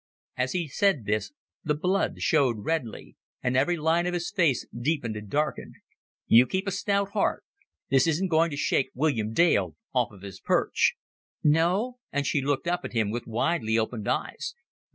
As he said this the blood showed redly, and every line of his face deepened and hardened. "You keep a stout heart. This isn't going to shake William Dale off of his perch." "No?" And she looked up at him with widely opened eyes.